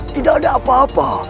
tidak ada apa apa